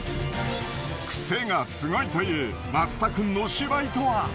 クセがスゴいという松田くんの芝居とは？